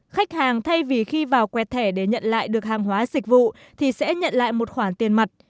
khách hàng thay vì khi vào quẹt thẻ để nhận lại được hàng hóa dịch vụ thì sẽ nhận lại một khoản tiền mặt